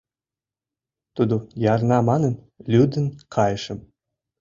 Тудо ярна манын, лӱдын кайышым.